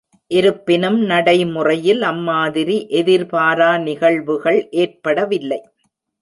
இருப்பினும் நடைமுறையில் அம்மாதிரி எதிர்பாரா நிகழ்வுகள் ஏற்படவில்லை.